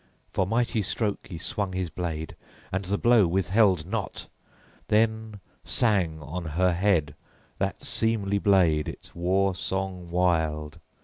For mighty stroke he swung his blade, and the blow withheld not. Then sang on her head that seemly blade its war song wild.